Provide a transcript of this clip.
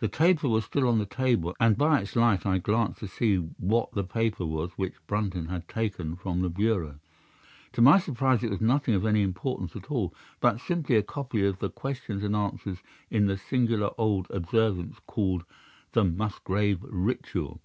The taper was still on the table, and by its light I glanced to see what the paper was which Brunton had taken from the bureau. To my surprise it was nothing of any importance at all, but simply a copy of the questions and answers in the singular old observance called the Musgrave Ritual.